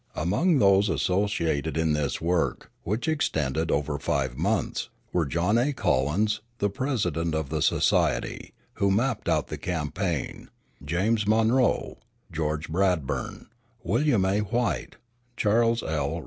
Among those associated in this work, which extended over five months, were John A. Collins, the president of the society, who mapped out the campaign; James Monroe; George Bradburn; William A. White; Charles L.